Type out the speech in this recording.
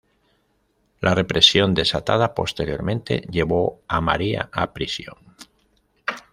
La represión desatada posteriormente llevó a María a prisión.